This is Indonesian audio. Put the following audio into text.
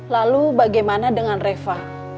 lalu bagaimana dengan reva